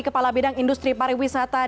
kepala bidang industri pariwisata